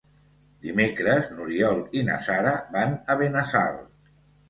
Dimecres n'Oriol i na Sara van a Benassal.